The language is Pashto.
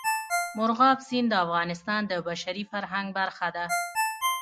مورغاب سیند د افغانستان د بشري فرهنګ برخه ده.